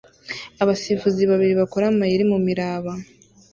Abasifuzi babiri bakora amayeri mumiraba